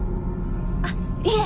あっいえ。